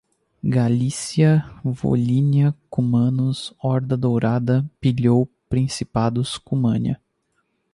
Galícia-Volínia, cumanos, Horda Dourada, pilhou, principados, Cumânia